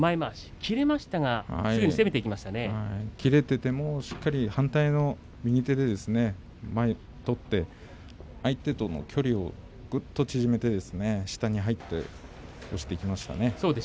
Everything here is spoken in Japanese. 切れていても反対の右手で前を取って相手との距離をぐっと縮めて下に入って押していきましたね。